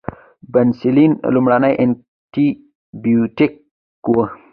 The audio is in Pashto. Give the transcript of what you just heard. پنسلین لومړنی انټي بیوټیک و